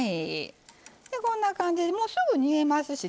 こんな感じですぐ煮えますしね。